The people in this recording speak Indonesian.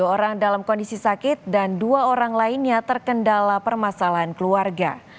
dua puluh orang dalam kondisi sakit dan dua orang lainnya terkendala permasalahan keluarga